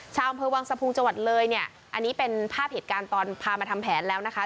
ชาวอำเภอวังสะพุงจังหวัดเลยเนี่ยอันนี้เป็นภาพเหตุการณ์ตอนพามาทำแผนแล้วนะคะ